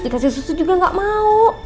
dikasih susu juga gak mau